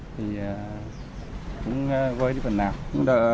thì cũng vơi chút phần nào